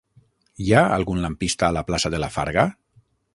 Hi ha algun lampista a la plaça de la Farga?